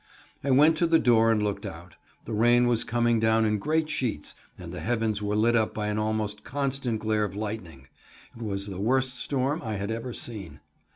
I went to the door and looked out. The rain was coming down in great sheets, and the heavens were lit up by an almost constant glare of lightning. It was the worst storm I had ever seen.